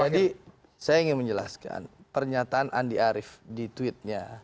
jadi saya ingin menjelaskan pernyataan andi arief di tweetnya